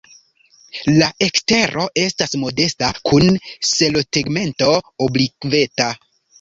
La ekstero etas modesta kun selotegmento oblikveta.